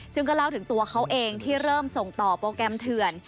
ซึ่งก็เล่าถึงตัวเขาเองที่เริ่มส่งต่อโปรแกรมเถื่อน